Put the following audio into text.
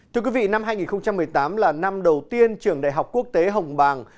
thưa quý vị năm hai nghìn một mươi tám là năm đầu tiên trường đại học quốc tế hồng bàng